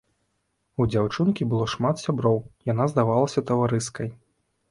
У дзяўчынкі было шмат сяброў, яна здавалася таварыскай.